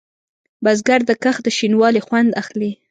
بزګر د کښت د شین والي خوند اخلي